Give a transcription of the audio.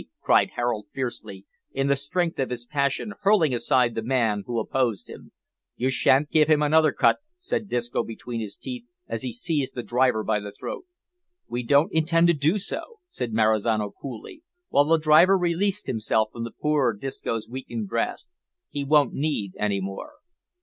cried Harold fiercely, in the strength of his passion hurling aside the man who opposed him. "You shan't give him another cut," said Disco between his teeth, as he seized the driver by the throat. "We don't intend to do so," said Marizano coolly, while the driver released himself from poor Disco's weakened grasp, "he won't need any more."